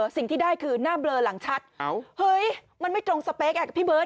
สิ่งที่ได้คือหน้าเบลอหลังชัดเฮ้ยมันไม่ตรงสเปคอ่ะพี่เบิร์ต